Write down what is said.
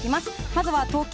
まずは東京。